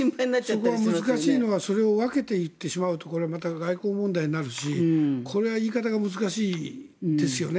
そこが難しいのはそれを分けていってしまうのはまた外交問題になるしこれは言い方が難しいですよね。